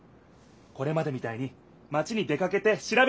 これまでみたいにマチに出かけてしらべてみよう！